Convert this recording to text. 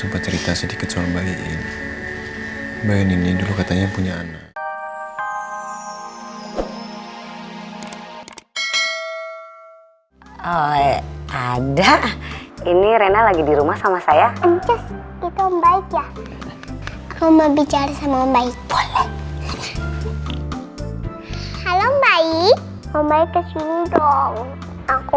bayangin ini dulu katanya punya anak